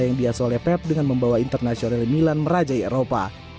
yang diasuh oleh pep dengan membawa internasional milan merajai eropa